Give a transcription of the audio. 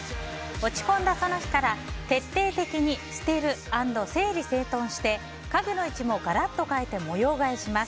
落ち込んだその日から徹底的に捨てる＆整理整頓して家具の位置もガラッと変えて模様替えします。